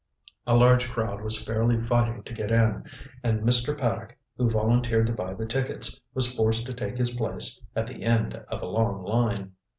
A large crowd was fairly fighting to get in and Mr. Paddock, who volunteered to buy the tickets, was forced to take his place at the end of a long line.